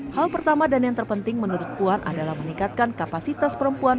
hal pertama dan yang terpenting menurut puan adalah meningkatkan kapasitas perempuan